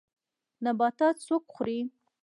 نباتات څوک خوري